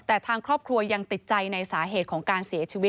แต่ทางครอบครัวยังติดใจในสาเหตุของการเสียชีวิต